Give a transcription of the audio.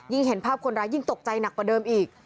เห็นภาพคนร้ายยิ่งตกใจหนักกว่าเดิมอีก